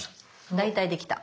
大体できた。